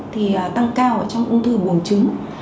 thì tăng cao trong ung thư buồn trứng